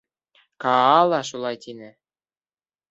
— Каа ла шулай ти.